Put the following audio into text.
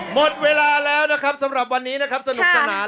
หมดเวลาแล้วนะครับสำหรับวันนี้นะครับสนุกสนาน